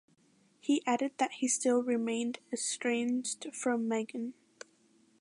He added that he still remained estranged from Meghan.